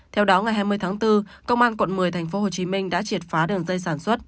theo đó ngày hai mươi tháng bốn công an quận một mươi tp hcm đã triệt phá đường dây sản xuất